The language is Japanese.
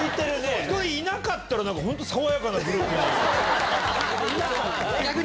１人、いなかったら本当、爽やかなグループなのに。